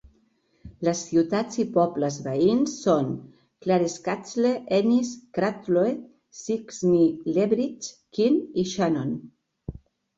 Les ciutats i pobles veïns són Clarecastle, Ennis, Cratloe, Sixmilebridge, Quin i Shannon.